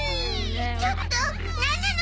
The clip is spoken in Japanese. ちょっとなんなの？